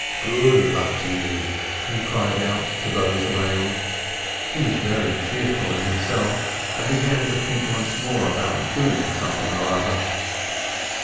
"Good luck to you!" he cried out to those around. He was very cheerful in himself, and began to think once more about doing something or other.